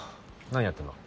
何やってんの？